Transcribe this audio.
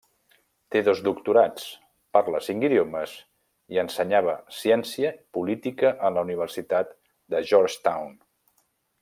Té dos doctorats, parla cinc idiomes, i ensenyava ciència política en la universitat de Georgetown.